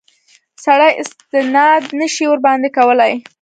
سړی استناد نه شي ورباندې کولای.